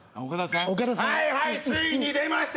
はいはいついに出ました！